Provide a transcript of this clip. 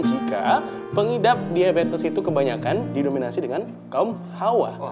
jika pengidap diabetes itu kebanyakan didominasi dengan kaum hawa